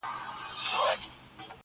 د مرغانو پاچهۍ ته نه جوړېږي!!